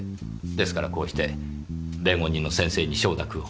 ですからこうして弁護人の先生に承諾を。